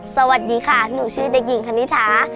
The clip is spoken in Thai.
สวัสดีค่ะหนูชื่อเด็กหญิงคณิธา